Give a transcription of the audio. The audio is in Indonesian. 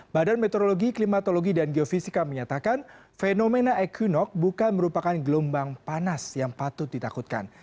badan meteorologi klimatologi dan geofisika menyatakan fenomena equinox bukan merupakan gelombang panas yang patut ditakutkan